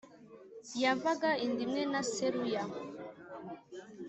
yavaga inda imwe na Seruya